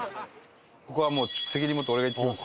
ここはもう責任持って俺が行ってきます。